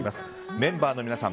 メンバーの皆さん